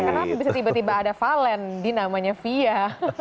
kenapa bisa tiba tiba ada valen di namanya fia